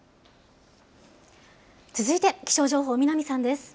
続いて気象情報、南さんです。